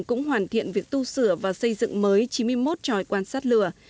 cũng hoàn thiện việc tu sửa và xây dựng mới chín mươi một tròi quan sát lửa